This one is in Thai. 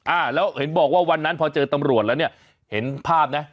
อ่าแล้วเห็นบอกว่าวันนั้นพอเจอตำรวจแล้วเนี่ยเห็นภาพนะ